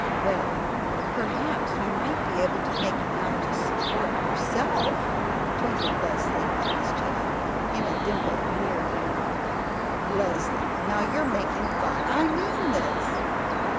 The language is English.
"Well, perhaps you might be able to make enough to support yourself," twinkled Leslie with mischief in a dimple near her mouth. "Leslie, now you're making fun! I mean this!"